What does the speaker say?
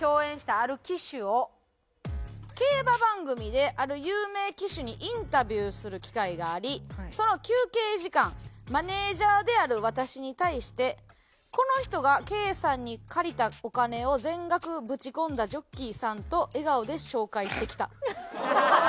競馬番組である有名騎手にインタビューする機会がありその休憩時間マネージャーである私に対して「この人がケイさんに借りたお金を全額ぶち込んだジョッキーさん」と笑顔で紹介してきた。